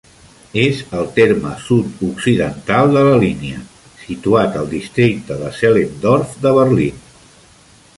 És el terme sud-occidental de la línia, situat al districte de Zehlendorf de Berlín.